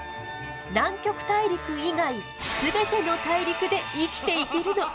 南極大陸以外すべての大陸で生きていけるの。